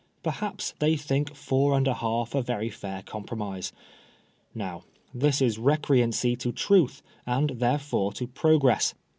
Perhaps they think four and a half a very fair compromise. Now this is recreancy to truth, and therefore to progress.